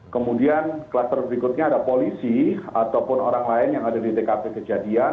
kemudian kluster berikutnya ada polisi ataupun orang lain yang ada di tkp kejadian